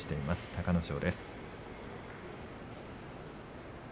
隆の勝です。